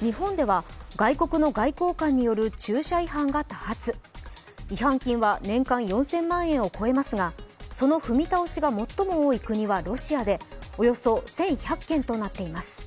日本では外国の外交官による駐車違反が多発、違反金は年間４０００万円を超えますがその踏み倒しが最も多い国はロシアでおよそ１１００件となっています。